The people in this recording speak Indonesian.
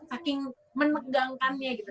saking menegangkannya gitu